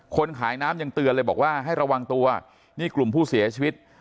คนขายน้ำยังเตือนเลยบอกว่าให้ระวังตัวนี่กลุ่มผู้เสียชีวิต